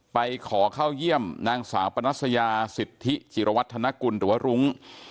ไปขอเข้าเยี่ยมนางสาวปนัสยาสิทธิจิรวัฒนกุลหรือว่ารุ้ง